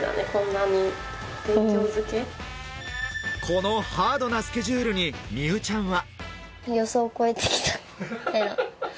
このハードなスケジュールに美羽ちゃんは。